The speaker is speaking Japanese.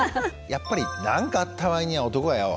やっぱり「何かあった場合には男はよ